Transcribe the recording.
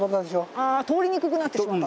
あ通りにくくなってしまったと。